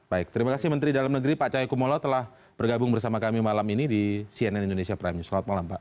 baik terima kasih menteri dalam negeri pak cahaya kumolo telah bergabung bersama kami malam ini di cnn indonesia prime news selamat malam pak